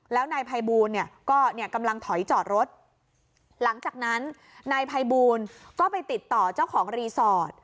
แล้วนายภัยบูลเนี่ยก็เนี่ยกำลังถอยจอดรถหลังจากนั้นนายภัยบูลก็ไปติดต่อเจ้าของรีสอร์ท